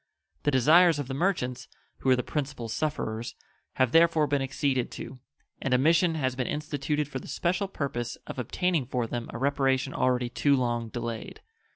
The desires of the merchants, who were the principal sufferers, have therefore been acceded to, and a mission has been instituted for the special purpose of obtaining for them a reparation already too long delayed.